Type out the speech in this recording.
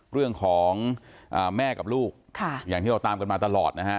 เรื่องของแม่กับลูกอย่างที่เราตามกันมาตลอดนะฮะ